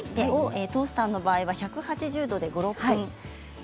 トースターの場合には１８０度で５、６分です。